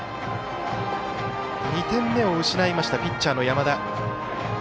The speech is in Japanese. ２点目を失いましたピッチャーの山田。